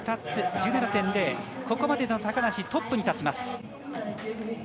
ここまでの高梨トップに立ちます。